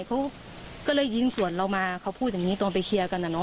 เขาก็เลยยิงสวนเรามาเขาพูดอย่างนี้ตอนไปเคลียร์กันอ่ะเนอ